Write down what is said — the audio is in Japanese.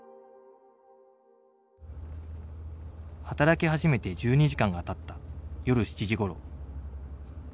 働き始めて１２時間がたった夜７時ごろ。